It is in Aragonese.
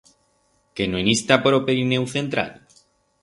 Qué no en i'stá por o Pirineu central?